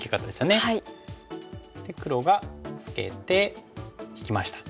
で黒がツケていきました。